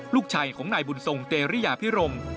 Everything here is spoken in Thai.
ลูกชายของนายบุญทรงเตรียพิรม